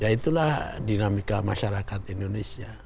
itulah dinamika masyarakat indonesia